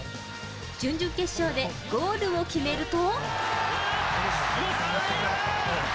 準々決勝でゴールを決めると。